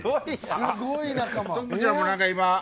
すごい仲間。